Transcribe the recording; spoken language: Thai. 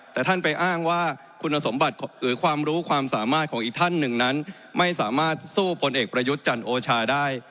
แต่ท่านไปอ้างว่าคุณสมบัติหรือความรู้ความสามารถของอีกท่านหนึ่งนั้นไม่สามารถสู้พลเอกประยุทธ์จันทร์โอชาได้